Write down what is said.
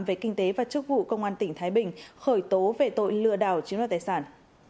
về kinh tế và chức vụ công an tỉnh thái bình khởi tố về tội lừa đảo chiếm đoạt tài sản